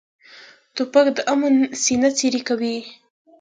توپک د امن سینه څیرې کوي.